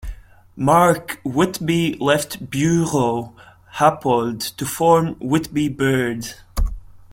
Mark Whitby left Buro Happold to form Whitby Bird.